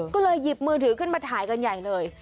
ก็เลยหยิบมือถือขึ้นมาถ่ายกันใหญ่เลย